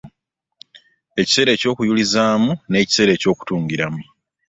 Ekiseera eky'okuyulizaamu, n'eluseera eky'okutungiramu.